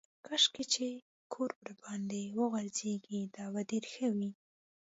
کاشکې چې کور ورباندې وغورځېږي دا به ډېره ښه وي.